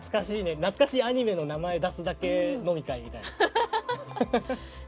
懐かしいアニメの名前出すだけ飲み会みたいな。